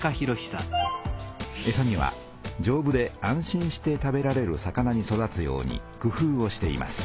えさにはじょうぶで安心して食べられる魚に育つようにくふうをしています。